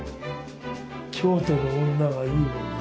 「京都の女はいい女だ」。